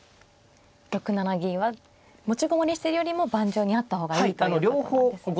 ６七銀は持ち駒にしているよりも盤上にあった方がいいということなんですね。